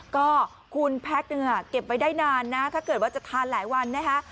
ก็คุณแพ็คเนี่ยเก็บไว้ได้นานนะถ้าเกิดว่าจะทานหลายวันนะคะ